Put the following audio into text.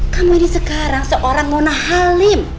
kamu ini sekarang seorang muna halim